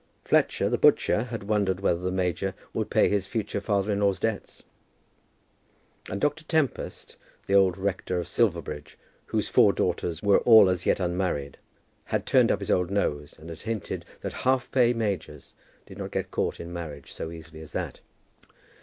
Fletcher the butcher had wondered whether the major would pay his future father in law's debts; and Dr. Tempest, the old rector of Silverbridge, whose four daughters were all as yet unmarried, had turned up his old nose, and had hinted that half pay majors did not get caught in marriage so easily as that.